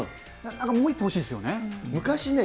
なんかもう一歩欲しいですよね。